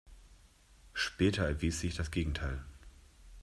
Später erwies sich das Gegenteil.